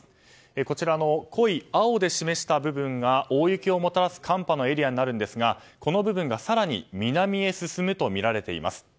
こちらの濃い青で示した部分が大雪をもたらす寒波のエリアになるんですがこの部分が更に南へ進むとみられています。